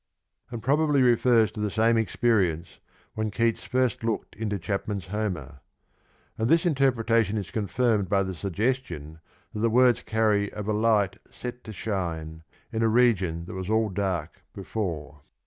36 and probably refers to the same experience, when Keats first looked into Chapman's Homer; and this interpreta tion is confirmed by the suggestion that the words carry of a light set to shine in a region that was all dark before.